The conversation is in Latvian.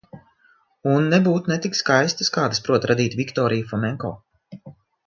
Un nebūt ne tik skaistas, kādas prot radīt Viktorija Fomenko.